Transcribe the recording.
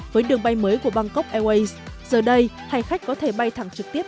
với đường bay mới của bangkok airways giờ đây hành khách có thể bay thẳng trực tiếp